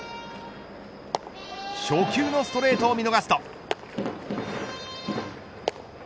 初球のストレートを見逃すと。